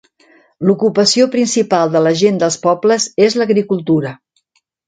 L'ocupació principal de la gent dels pobles és l'agricultura.